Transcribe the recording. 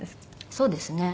そうですね。